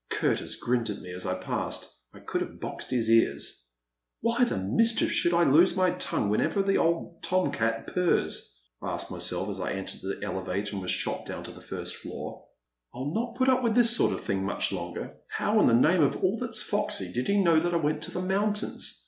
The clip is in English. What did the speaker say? Curtis grinned at me as I passed — I could have boxed his ears. *' Why the mischief should I lose my tongue whenever that old tom cat purrs !I asked my self as I entered the elevator and was shot down to the first floor. I *11 not put up with this sort of thing much longer — ^how in the name of all that 's foxy did he know that I went to the moun tains